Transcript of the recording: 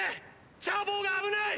チャー坊が危ない！！